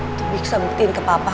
untuk bisa metin ke papa